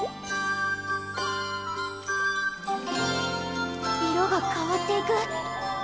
心の声色が変わっていく！